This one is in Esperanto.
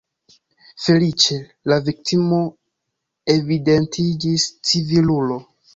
Feliĉe, la viktimo evidentiĝis civilulo.